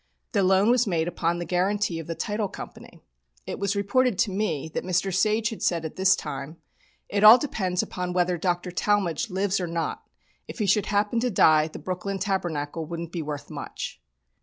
The loan was made upon the guarantee of the Title Company. It was reported to me that Mr. Sage had said at this time: "It all depends upon whether Dr. Talmage lives or not. If he should happen to die the Brooklyn Tabernacle wouldn't be worth much."